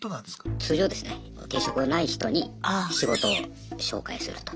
通常ですね定職ない人に仕事を紹介すると。